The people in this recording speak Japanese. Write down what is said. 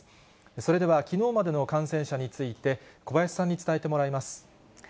それではきのうまでの感染者について、小林さんに伝えてもらいます。